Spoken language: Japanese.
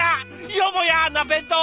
よもやな弁当！